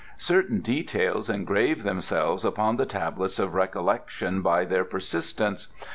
"Certain details engrave themselves upon the tablets of recollection by their persistence.